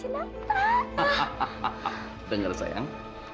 hahaha denger sayang